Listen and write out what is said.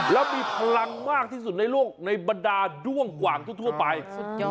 แล้วมีพลังมากที่สุดในโลกในบรรดาด้วงกว่างทั่วไปสุดยอด